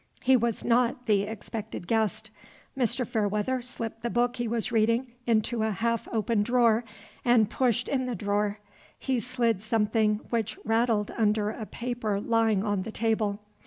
He was not the expected guest. Mr. Fairweather slipped the book he was reading into a half open drawer, and pushed in the drawer. He slid something which rattled under a paper lying on the table.